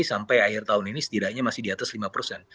sampai akhir tahun ini setidaknya masih di atas lima persen